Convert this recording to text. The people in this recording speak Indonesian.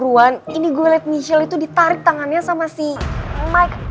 ini gue liat michelle itu ditarik tangannya sama si mike